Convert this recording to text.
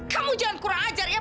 kau jangan kurang ajar ya